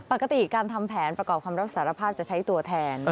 ปกติการทำแผนประกอบคำรับสารภาพจะใช้ตัวแทน